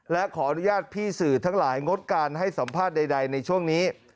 และขออนุญาตพี่สื่อทั้งหลายงดการให้สัมภาษณ์ใดในช่วงนี้